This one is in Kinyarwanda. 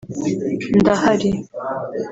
Ndahari